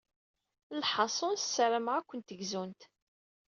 Lḥaṣul, ssarameɣ ad kent-gzunt.